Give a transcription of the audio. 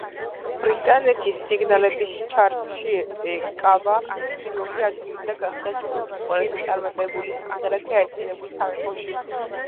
ბრიტანეთის სინგლების ჩარტში ეკავა პირველი ადგილი და გახდა ჯგუფის ყველაზე წარმატებული სიმღერა გაერთიანებულ სამეფოში.